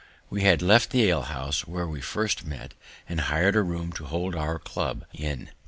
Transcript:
We had left the alehouse, where we first met, and hired a room to hold our club in.